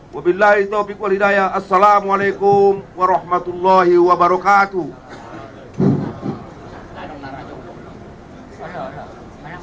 wabillahi taufiq wal hidayah assalamualaikum warahmatullahi wabarakatuh